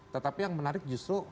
tetapi yang menarik justru